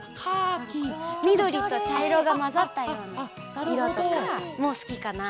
みどりとちゃいろがまざったようないろとかもすきかな。